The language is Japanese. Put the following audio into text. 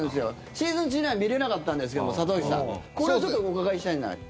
シーズン中には見れなかったんですけども里崎さん、これはちょっとお伺いしたいな。